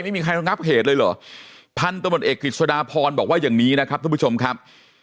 ไม่มีใครระงับเหตุเลยเหรอพันธมตเอกกฤษฎาพรบอกว่าอย่างนี้นะครับทุกผู้ชมครับ